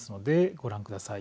ご覧ください。